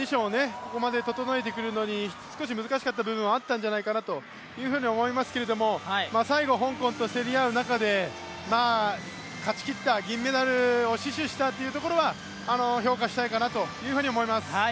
ここまで整えてくるのに少し難しい部分あったんじゃないかなと思いますが最後、香港と競り合う中で勝ちきった、銀メダルを死守したというのは評価したいかなと思います。